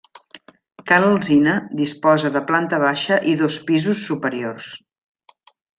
Ca l'Alzina disposa de planta baixa i dos pisos superiors.